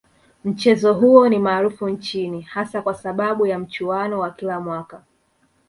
Mchezo huo ni maarufu nchini hasa kwa sababu ya mchuano wa kila mwaka